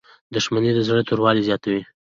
• دښمني د زړه توروالی زیاتوي.